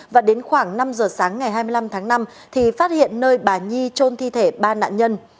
và đến khoảng năm giờ sáng ngày hai mươi năm tháng năm thì phát hiện nơi bà nhi trôn thi thể ba nạn nhân